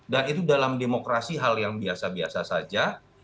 dan itu dalam demokrasi hal yang biasa biasa saja